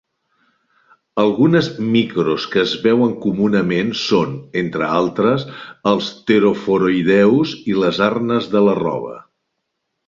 Algunes "micros" que es veuen comunament són, entre altres, els pteroforoïdeus i les arnes de la roba.